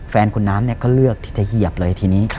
แฟนคุณน้ำก็เลือกที่จะเหยียบเลยทีนี้